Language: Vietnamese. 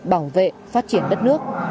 bảo vệ phát triển đất nước